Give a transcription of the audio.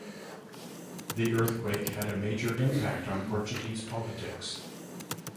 The earthquake had a major impact on Portuguese politics.